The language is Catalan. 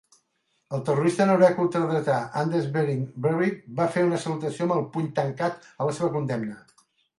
El terrorista noruec ultradretà Anders Behring Breivik va fer una salutació amb el puny tancat a la seva condemna.